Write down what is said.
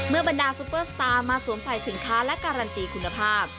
บรรดาซุปเปอร์สตาร์มาสวมใส่สินค้าและการันตีคุณภาพ